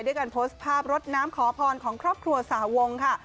การโพสต์ภาพรดน้ำขอพรของครอบครัวสาวงค่ะ